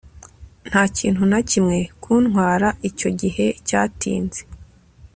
Nta kintu na kimwe kuntwara icyo gihe cyatinze